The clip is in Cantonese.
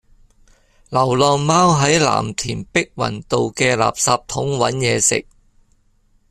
流浪貓喺藍田碧雲道嘅垃圾桶搵野食